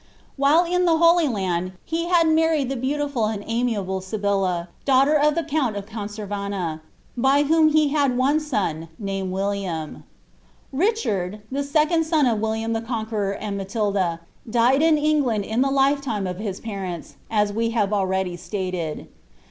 While in the Holy Land, he had married the beautifid and amiable Sybilla, daughter of the Count Conversana, by wliom he had one son, named William. Ricliard, the second son of William the Conqueror and Matilda, died in England in the lifetime of his parents, as we have already stated.